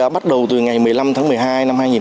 bắt đầu từ ngày một mươi năm tháng một mươi hai